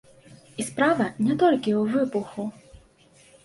І справа не толькі ў выбуху.